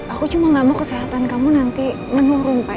aku cuma gak mau kesehatan kamu nanti menurun pak